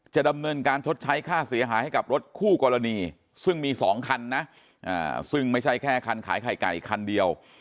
จะดำเนินการชดใช้ค่าเสียหายให้กับรถคู่กรณีซึ่งมี๒คันนะซึ่งไม่ใช่แค่คันขายไข่ไก่คันเดียว